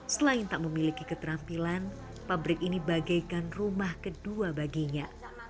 selain tak memiliki keterampilan pabrik ini bagaikan rumah kedua baginya